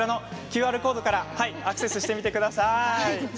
ＱＲコードからアクセスしてみてください。